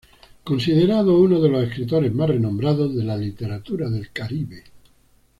Considerado uno de los escritores más renombrados de la literatura del Caribe.